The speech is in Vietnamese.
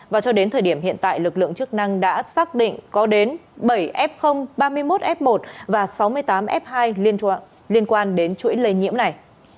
và cho đến thời điểm hiện tại lực lượng chức năng đã xác định có đến bảy f ba mươi một f một và sáu mươi tám f hai liên quan đến chuỗi lây nhiễm này